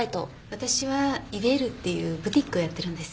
私はイヴェールっていうブティックをやってるんです。